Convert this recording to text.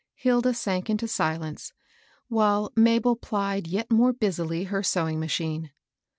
Hilda sank into silence, while Mabel plied yet more busily her sewing machine.